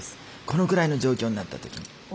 このぐらいの状況になった時に。